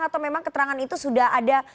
atau memang keterangan itu sudah ada